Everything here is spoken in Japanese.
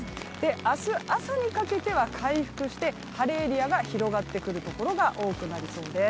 明日朝にかけては回復して晴れエリアが広がってくるところが多くなりそうです。